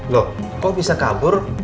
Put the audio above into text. loh kok bisa kabur